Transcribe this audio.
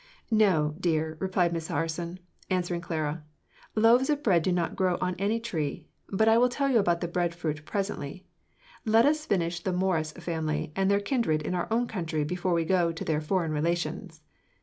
"No, dear," replied Miss Harson, answering Clara; "loaves of bread do not grow on any tree. But I will tell you about the bread fruit presently; let us finish the Morus family and their kindred in our own country before we go to their foreign relations.